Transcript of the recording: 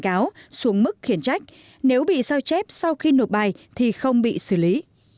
nếu người học bị xử lý có đủ bằng chứng minh mình bị sao chép sau khi nộp bài thì không bị xử lý